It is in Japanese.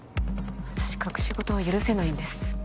私隠し事は許せないんです